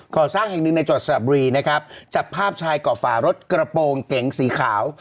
สร้างแห่งหนึ่งในจังหวัดสระบุรีนะครับจับภาพชายเกาะฝารถกระโปรงเก๋งสีขาว